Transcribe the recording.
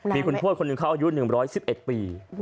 มีคุณทวดคนหนึ่งเขาอายุ๑๑๑ปี